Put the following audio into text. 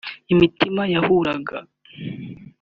imitima yahuraga